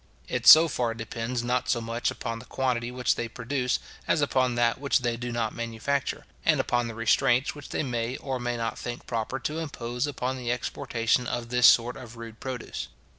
It so far depends not so much upon the quantity which they produce, as upon that which they do not manufacture; and upon the restraints which they may or may not think proper to impose upon the exportation of this sort of rude produce.